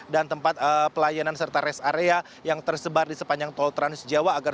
dan tempat pelayanan serta rest area yang tersebar di sepanjang tol trans jawa